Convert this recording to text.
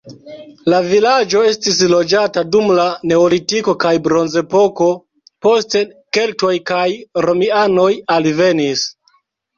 La vilaĝo estis loĝata dum la neolitiko kaj bronzepoko, poste keltoj kaj romianoj alvenis.